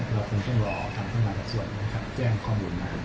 เราคงต้องรอตามเข้ามาจากส่วนแกล้งข้อมูลมา